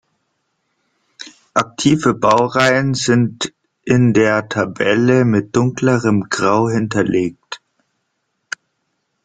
Aktive Baureihen sind in der Tabelle mit dunklerem Grau hinterlegt.